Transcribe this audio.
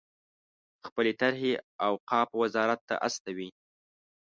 خپلې طرحې اوقافو وزارت ته استوي.